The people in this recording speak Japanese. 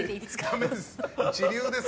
ダメです。